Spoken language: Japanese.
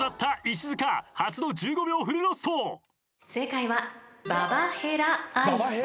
［正解は］